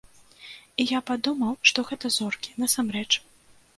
І я падумаў, што гэта зоркі, насамрэч.